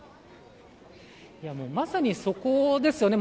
まさに、そこですよね。